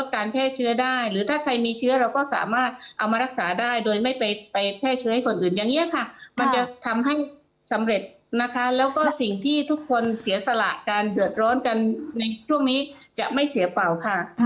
การแพร่เชื้อได้หรือถ้าใครมีเชื้อเราก็สามารถเอามารักษาได้โดยไม่ไปแพร่เชื้อให้ส่วนอื่นอย่างนี้ค่ะมันจะทำให้สำเร็จนะคะแล้วก็สิ่งที่ทุกคนเสียสละการเดือดร้อนกันในช่วงนี้จะไม่เสียเป่าค่ะ